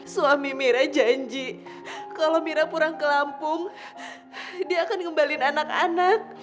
suami mira janji kalau mira pulang ke lampung dia akan ngembalin anak anak